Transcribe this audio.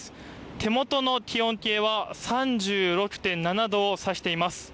手元の気温計は３６．７度を指しています。